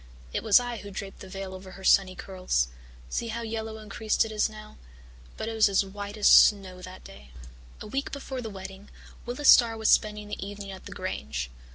It was I who draped the veil over her sunny curls see how yellow and creased it is now, but it was as white as snow that day. "A week before the wedding, Willis Starr was spending the evening at the Grange.